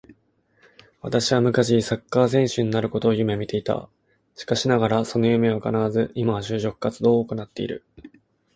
私は昔サッカー選手になることを夢見ていた。しかしながらその夢は叶わず、今は就職活動を行っている